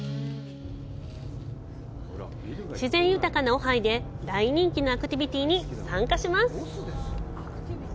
自然豊かなオハイで大人気のアクティビティーに参加します。